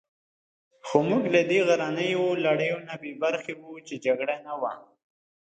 خو موږ له دې غرنیو لړیو نه بې برخې وو، چې جګړه نه وه.